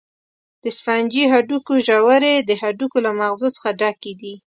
د سفنجي هډوکو ژورې د هډوکو له مغزو څخه ډکې دي.